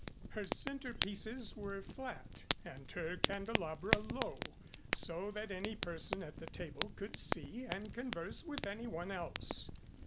Her centerpieces were flat and her candelabra low so that any person at the table could see and converse with anyone else.